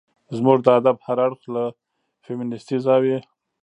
زموږ د ادب هر اړخ له فيمنستي زاويې